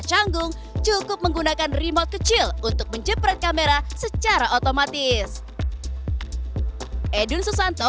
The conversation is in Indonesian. canggung cukup menggunakan remote kecil untuk menjepret kamera secara otomatis edwin susanto